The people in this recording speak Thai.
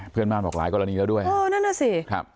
เพื่อนบ้านบอกหลายกรณีแล้วด้วยเออนั่นน่ะสิครับ